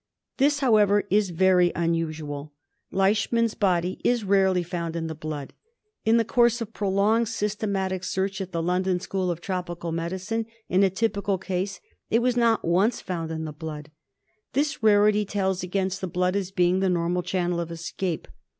This, however, is very unusual ; Leishman's\ body is rarely found in the blood. In the course of prolonged systematic search at the London School of Tropical Medicine in a typical case it was not once found in the blood. This rarity tells against the blood/ as being the normal channel of escape.